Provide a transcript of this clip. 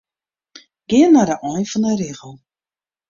Gean nei de ein fan 'e rigel.